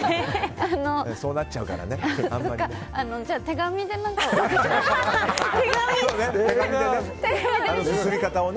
そうなっちゃうからあんまりね。